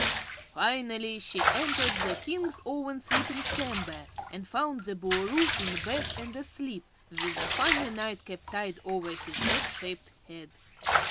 Finally she entered the King's own sleeping chamber and found the Boolooroo in bed and asleep, with a funny nightcap tied over his egg shaped head.